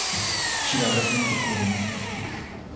嫌われてんの子供に。